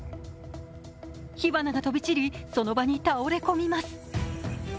火花が飛び散りその場に倒れ込みます。